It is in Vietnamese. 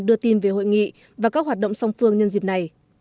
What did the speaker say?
đưa tin về hội nghị và các hoạt động song phương nhân dịp này